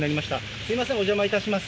すみません、お邪魔いたします。